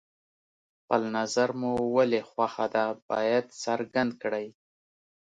خپل نظر مو ولې خوښه ده باید څرګند کړئ.